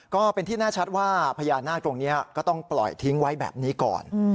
ก็เป็นที่แน่ชัดว่าพญานาคตรงนี้ก็ต้องปล่อยทิ้งไว้แบบนี้ก่อน